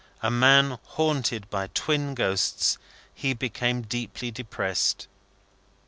A man haunted by twin ghosts, he became deeply depressed.